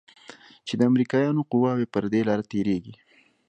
چې د امريکايانو قواوې پر دې لاره تېريږي.